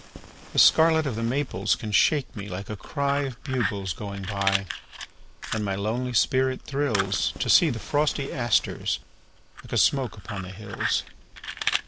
The scarlet of the maples can shake me like a cryOf bugles going by. And my lonely spirit thrillsTo see the frosty asters like a smoke upon the hills.